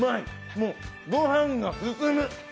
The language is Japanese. もうご飯が進む！